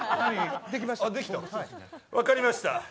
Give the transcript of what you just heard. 分かりました。